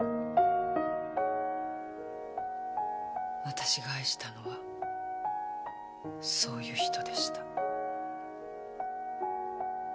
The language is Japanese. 私が愛したのはそういう人でした。